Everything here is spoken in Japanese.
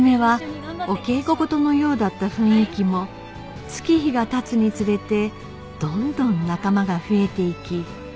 初めはお稽古事のようだった雰囲気も月日が経つにつれてどんどん仲間が増えていき